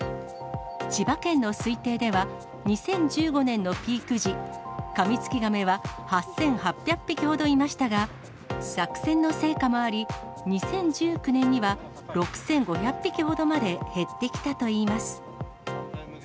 千葉県の推定では、２０１５年のピーク時、カミツキガメは８８００匹ほどいましたが、作戦の成果もあり、２０１９年には６５００匹ほどまで減ってきたといいます。